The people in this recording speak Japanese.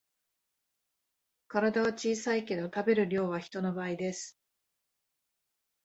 体は小さいけど食べる量は人の倍です